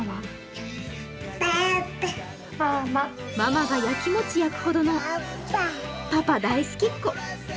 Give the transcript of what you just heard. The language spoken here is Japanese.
ママがやきもちやくほどのパパ大好きっ子。